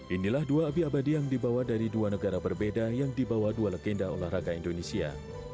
inilah dua abi abadi yang dibawa dari dua negara berbeda yang dibawa dua legenda olahraga indonesia